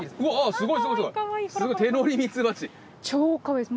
すごい！手乗りミツバチ。